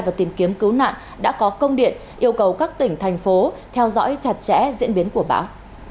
và tìm kiếm cứu nạn đã có công điện yêu cầu các tỉnh thành phố theo dõi chặt chẽ diễn biến của bão